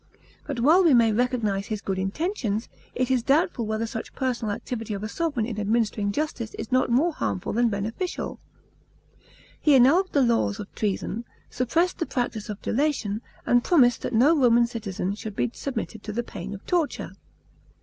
But while we may recognise his good intentions, it is doubtful whether such personal activity of a sovran in administering justice is not more harmful than beneficial. He annulled the laws of treason, suppressed the practice of delation, and promised that no Roman citizen should be submitted to the pain of torture.